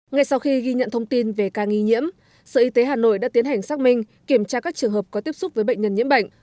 ngay sau khi ghi nhận thông tin về ca nghi nhiễm sở y tế hà nội đã tiến hành xác minh kiểm tra các trường hợp có tiếp xúc với bệnh nhân nhiễm bệnh